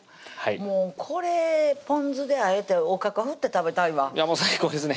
もうこれぽん酢であえておかか振って食べたいわ最高ですね